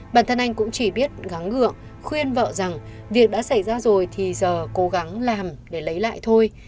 bản thân anh cũng chỉ biết gắn ngựa khuyên vợ rằng việc đã xảy ra rồi thì giờ cố gắng làm để lấy lại thôi